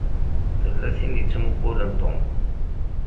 Tella tin i yettmuqqulen Tom.